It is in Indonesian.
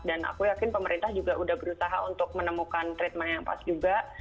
dan aku yakin pemerintah juga udah berusaha untuk menemukan treatment yang pas juga